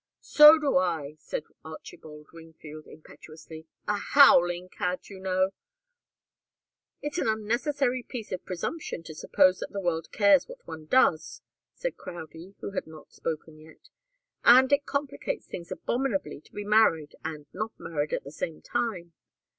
"So do I," said Archibald Wingfield, impetuously. "A howling cad, you know." "It's an unnecessary piece of presumption to suppose that the world cares what one does," said Crowdie, who had not spoken yet. "And it complicates things abominably to be married and not married at the same time.